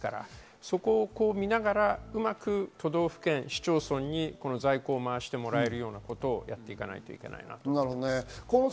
そこを見ながらうまく都道府県市町村に在庫を回してもらえるようなことをやっていかなければいけないと思っています。